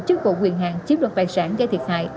chức vụ quyền hạng chiếm đoạt tài sản gây thiệt hại